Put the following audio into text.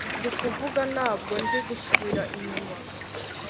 ndi kuvuga ntabwo ndi gusubira inyuma, ,